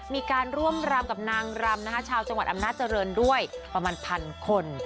มีการร่วมรำกับนางรำนะคะชาวจังหวัดอำนาจริงด้วยประมาณพันคน